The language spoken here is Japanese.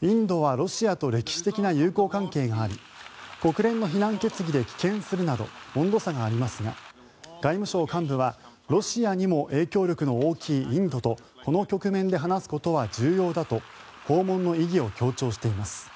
インドはロシアと歴史的な友好関係があり国連の非難決議で棄権するなど温度差がありますが外務省幹部はロシアにも影響力の大きいインドとこの局面で話すことは重要だと訪問の意義を強調しています。